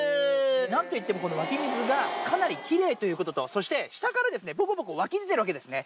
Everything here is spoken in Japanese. なんといっても、この湧き水がかなりきれいということと、そして下から、ぼこぼこ湧き出てるわけですね。